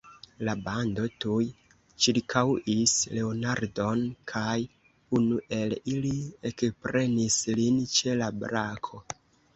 La bando tuj ĉirkaŭis Leonardon, kaj unu el ili ekprenis lin ĉe la brako.